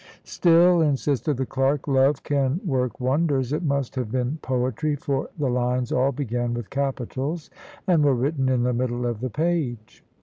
"Still," insisted the clerk, "love can work wonders. It must have been poetry, for the lines all began with capitals, and were written in the middle of the page."